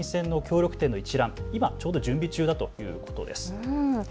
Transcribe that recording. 今度の参院選の協力店の一覧、今ちょうど準備中だということです。